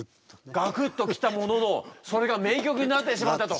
ガクッときたもののそれが名曲になってしまったと。